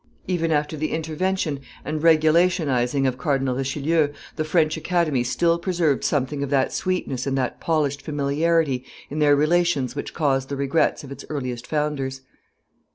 Even after the intervention and regulationizing of Cardinal Richelieu, the French Academy still preserved something of that sweetness and that polished familiarity in their relations which caused the regrets of its earliest founders.